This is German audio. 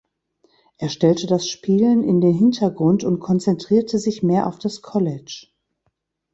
Er stellte das Spielen in den Hintergrund und konzentrierte sich mehr auf das College.